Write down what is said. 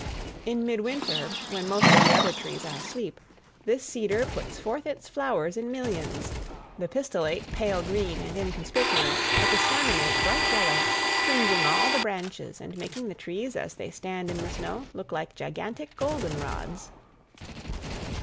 In midwinter, when most of the other trees are asleep, this cedar puts forth its flowers in millions,—the pistillate pale green and inconspicuous, but the staminate bright yellow, tingeing all the branches and making the trees as they stand in the snow look like gigantic goldenrods.